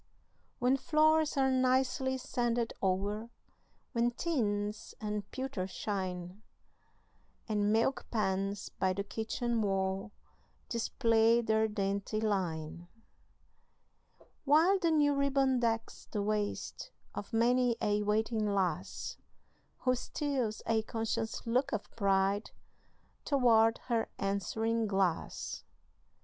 When floors are nicely sanded o'er, When tins and pewter shine, And milk pans by the kitchen wall Display their dainty line; While the new ribbon decks the waist Of many a waiting lass, Who steals a conscious look of pride Toward her answering glass.